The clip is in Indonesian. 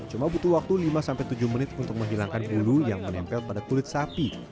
cuma butuh waktu lima sampai tujuh menit untuk menghilangkan bulu yang menempel pada kulit sapi